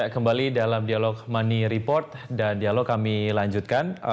kembali dalam dialog money report dan dialog kami lanjutkan